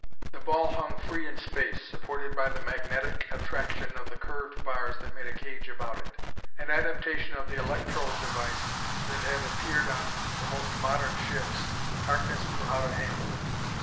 The ball hung free in space, supported by the magnetic attraction of the curved bars that made a cage about it. An adaptation of the electrol device that had appeared on the most modern ships, Harkness knew how to handle it.